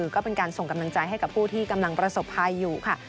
ก็เป็นการส่งกำลังใจให้กับผู้ที่กำลังประสบภัยอยู่ค่ะ